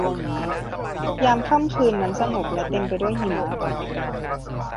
ยามค่ำคืนนั้นสงบและเต็มไปด้วยหิมะ